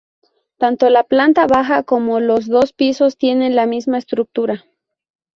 Tanto la planta baja como los dos pisos tienen la misma estructura.